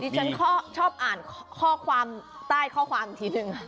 ดิฉันชอบอ่านข้อความใต้ข้อความทีนึง